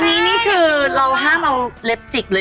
อันนี้นี่คือเราห้ามเอาเล็บจิกเลย